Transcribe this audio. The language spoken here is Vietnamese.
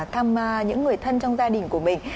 thăm những người thân trong gia đình của mình